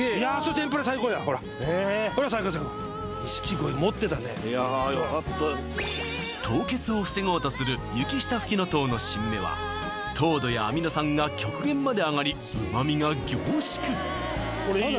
天ぷら最高や凍結を防ごうとする雪下ふきのとうの新芽は糖度やアミノ酸が極限まで上がり旨味が凝縮！